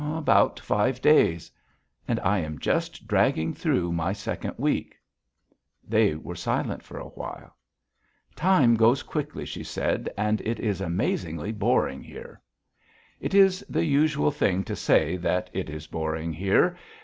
"About five days." "And I am just dragging through my second week." They were silent for a while. "Time goes quickly," she said, "and it is amazingly boring here." "It is the usual thing to say that it is boring here.